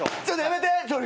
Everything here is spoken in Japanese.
ちょっとやめて！